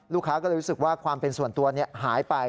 ลูกค้าก็เลยรู้สึกว่าความเป็นส่วนตัวหายไป